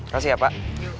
kasih ya pak